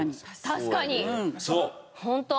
確かに！